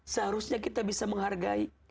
seharusnya kita bisa menghargai